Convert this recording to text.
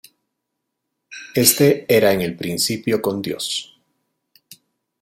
Este era en el principio con Dios.